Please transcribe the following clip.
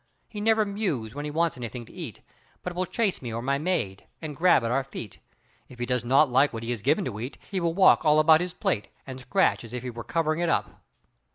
He never mews when he wants anything to eat, but will chase me or my maid, and grab at our feet. If he does not like what is given him to eat, he will walk all about his plate, and scratch as if he were covering it up.